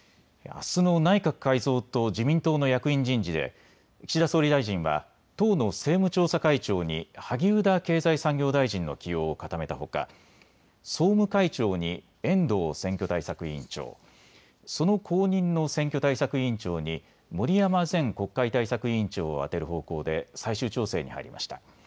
あすの内閣改造と自民党の役員人事で岸田総理大臣は党の政務調査会長に萩生田経済産業大臣の起用を固めたほか総務会長に遠藤選挙対策委員長、その後任の選挙対策委員長に森山前国会対策委員長を充てる方向で最終調整に入りました。